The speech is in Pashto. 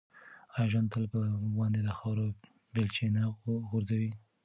آیا ژوند تل په موږ باندې د خاورو بیلچې نه غورځوي؟